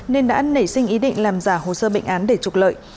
nên đã nảy sinh ý định làm giả hồ sơ bệnh án để trục lợi